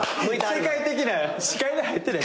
世界的な視界に入ってない。